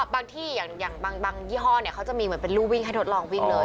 บางยี่ห้อเนี่ยเขาจะมีเหมือนเป็นรูวิ่งให้ทดลองวิ่งเลย